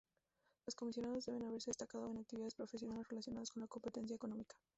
Los comisionados deberán haberse destacado en actividades profesionales relacionados a la competencia económica.